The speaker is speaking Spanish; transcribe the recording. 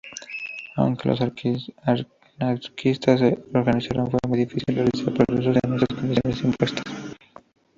Aunque los anarquistas se reorganizaron, fue muy difícil realizar progresos en esas condiciones impuestas.